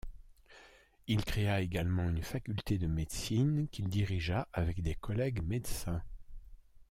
Il créa également une faculté de médecine qu'il dirigea avec des collègues médecins.